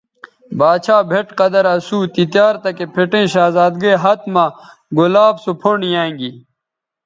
باڇھا بھئٹ قدر اسو تی تیار تکے پھٹیئں شہزادگئ ھت مہ گلاب سو پھنڈ یانگی